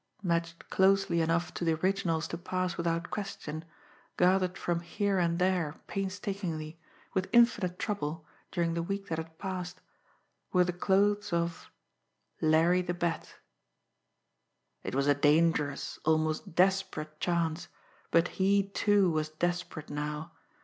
Matched closely enough to the originals to pass without question, gathered from here and there, painstakingly, with infinite trouble during the week that had passed, were the clothes of Larry the Bat. It was a dangerous, almost desperate chance; but he, too, was desperate now.